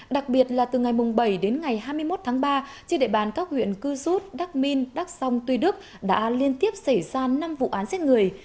đặc biệt là từ ngày bảy đến ngày hai mươi một tháng ba trên địa bàn các huyện cư rút đắk minh đắk song tuy đức đã liên tiếp xảy ra năm vụ án giết người